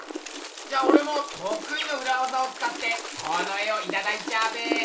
じゃあおれもとくいのうらわざをつかってこの絵をいただいちゃうべ！